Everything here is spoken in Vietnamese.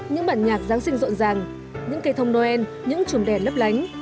những bản nhạc giáng sinh rộn ràng những cây thông noel những chùm đèn lấp lánh